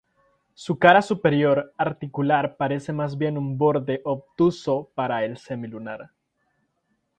Su cara superior, articular parece más bien un borde obtuso, para el semilunar.